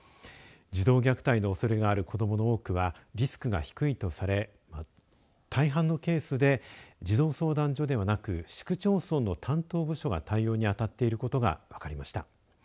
児童虐待のおそれがある子どもの多くはリスクが低いとされ大半のケースで児童相談所ではなく市区町村の担当部署が対応にあたっていることが分かりました。